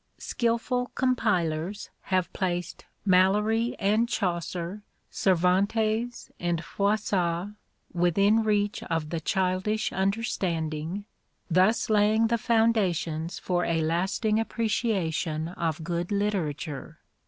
Skilful compilers have placed Mallory and Chaucer, Cervantes and Froissart, within reach of the childish understanding, thus laying the foundations for a lasting appreciation of good literature.